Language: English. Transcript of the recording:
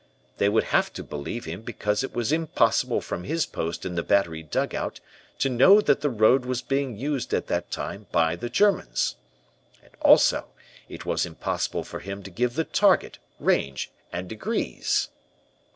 They would have to believe him, because it was impossible from his post in the battery dugout to know that the road was being used at that time by the Germans. And also it was impossible for him to give the target, range, and degrees.